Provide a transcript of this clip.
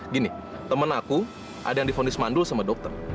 gini temen aku ada yang difundis mandul sama dokter